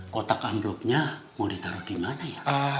kotak envelope nya mau ditaruh di mana ya